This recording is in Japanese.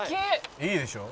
「いいでしょ？」